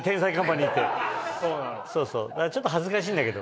だからちょっと恥ずかしいんだけど。